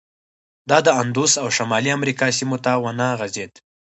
دا د اندوس او شمالي امریکا سیمو ته ونه غځېد.